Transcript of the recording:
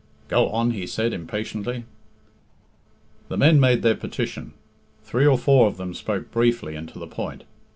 "Go on," he said impatiently. The men made their petition. Three or four of them spoke briefly and to the point.